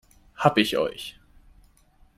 Hab ich euch!